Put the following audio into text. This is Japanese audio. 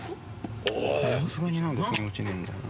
さすがに何かふに落ちねえんだよな・